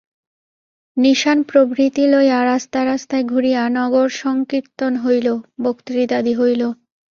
নিশান প্রভৃতি লইয়া রাস্তায় রাস্তায় ঘুরিয়া নগরসঙ্কীর্তন হইল, বক্তৃতাদি হইল।